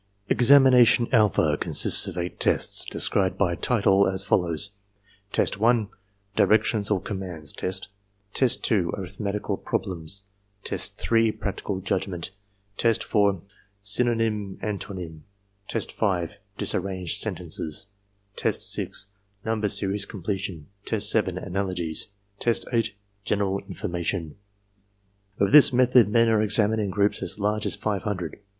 Examination alpha consists of eight tests, describable by title as follows: test 1, directions or conmiands test; test 2, arithmetical problems; test 3, practical judgment; test 4, synonym antonym; test 5, disarranged sentences; test 6, number series completion; test 7, analogies; test 8, general information. With this method men are examined in groups as large as five hundred.